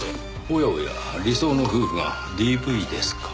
おやおや理想の夫婦がＤＶですか。